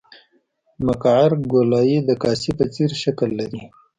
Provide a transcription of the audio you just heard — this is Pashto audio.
مقعر ګولایي د کاسې په څېر شکل لري